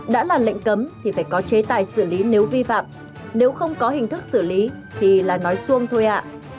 đã là lệnh cấm thì phải có chế tài xử lý nếu vi phạm nếu không có hình thức xử lý thì là nói xuông thôi ạ